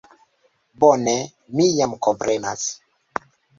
Bone, mi jam komprenas.